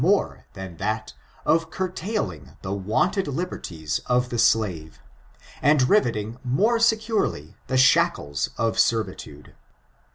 more than that of curtsuling the wonted liberties of the slave, and riveting more securely the shackles of servitude.